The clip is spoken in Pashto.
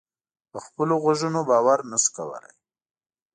په خپلو غوږونو باور نه شو کولای.